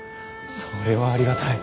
それはありがたい。